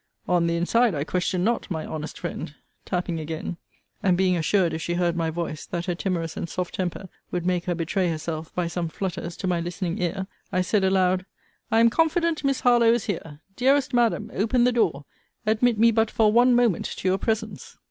On the inside, I question not, my honest friend; tapping again. And being assured, if she heard my voice, that her timorous and soft temper would make her betray herself, by some flutters, to my listning ear, I said aloud, I am confident Miss Harlowe is here: dearest Madam, open the door: admit me but for one moment to your presence.